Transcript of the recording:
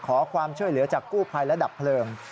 ขอความช่วยเหลือจากกู้ภัยและดับเพลิง